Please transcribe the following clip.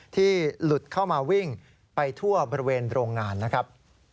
ที่หลุดเข้ามาวิ่งไปทั่วบริเวณโรงงานนะครับ